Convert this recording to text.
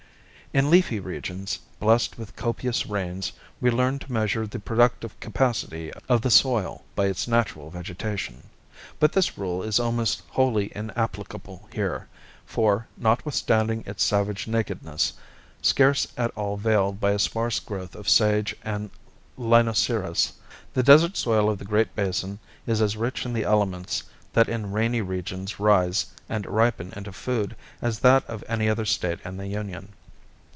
In leafy regions, blessed with copious rains, we learn to measure the productive capacity of the soil by its natural vegetation. But this rule is almost wholly inapplicable here, for, notwithstanding its savage nakedness, scarce at all veiled by a sparse growth of sage and linosyris, the desert soil of the Great Basin is as rich in the elements that in rainy regions rise and ripen into food as that of any other State in the Union.